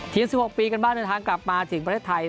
๑๖ปีกันบ้างเดินทางกลับมาถึงประเทศไทย